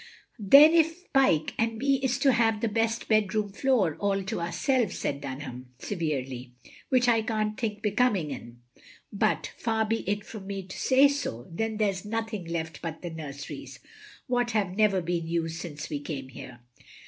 "Then if Pyke and me is to have the best bedroom floor all to ourselves," said Dunham^ severely, "which I can't think becoming, 'm, but far be it from me to say so, then there 's nothing left but the nurseries, what have never been used since we came here.